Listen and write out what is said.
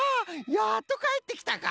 やっとかえってきたか。